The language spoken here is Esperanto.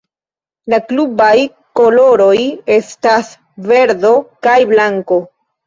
La klubaj koloroj estas verdo kaj blanko.